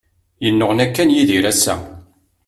Yennuɣna kan Yidir ass-a.